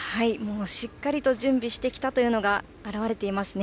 しっかりと準備してきたというのが表れていますね。